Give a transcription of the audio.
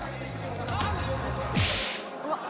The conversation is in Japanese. うわっ！